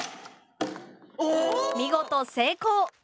見事成功！